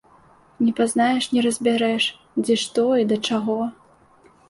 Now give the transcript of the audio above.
Не пазнаеш, не разбярэш, дзе што і да чаго.